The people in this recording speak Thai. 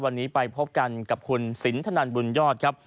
วันนี้ไปพบกันกับคุณสินทนันบุญยอดครับ